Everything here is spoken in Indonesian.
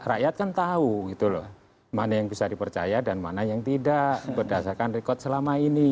rakyat kan tahu gitu loh mana yang bisa dipercaya dan mana yang tidak berdasarkan rekod selama ini